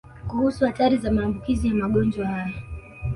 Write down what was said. Kuhusu hatari za maambukizi ya magonjwa haya